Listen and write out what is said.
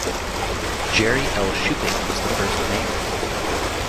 Jerry L. Shuping was the first mayor.